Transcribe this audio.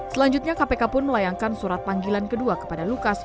selanjutnya kpk pun melayangkan surat panggilan kedua kepada lukas